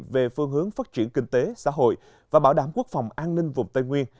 về phương hướng phát triển kinh tế xã hội và bảo đảm quốc phòng an ninh vùng tây nguyên